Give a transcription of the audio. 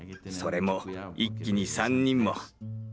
それも一気に３人も。